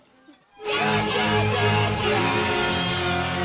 ジャジャジャジャーン！